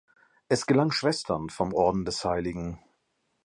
Es gelang Schwestern vom Orden des hl.